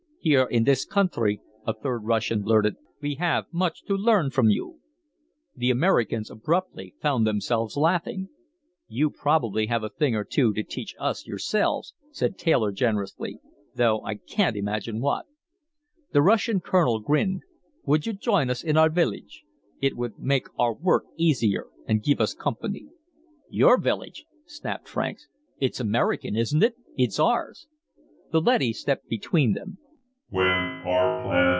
"Here in this country," a third Russian blurted. "We have much to learn from you." The Americans abruptly found themselves laughing. "You probably have a thing or two to teach us yourselves," said Taylor generously, "though I can't imagine what." The Russian colonel grinned. "Would you join us in our village? It would make our work easier and give us company." "Your village?" snapped Franks. "It's American, isn't it? It's ours!" The leady stepped between them.